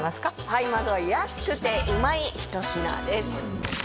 はいまずは安くてうまい一品です